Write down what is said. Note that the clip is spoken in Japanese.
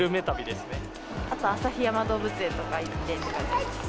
あと、旭山動物園とか行ってって感じです。